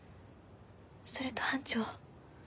それと班長。